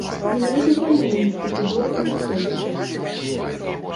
Менавіта таму ў іх такі добры настрой цяпер.